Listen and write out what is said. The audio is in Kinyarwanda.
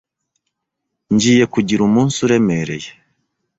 Ngiye kugira umunsi uremereye.